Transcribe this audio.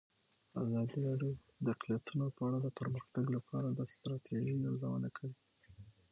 ازادي راډیو د اقلیتونه په اړه د پرمختګ لپاره د ستراتیژۍ ارزونه کړې.